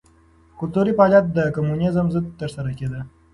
کلتوري فعالیت د کمونېزم ضد ترسره کېده.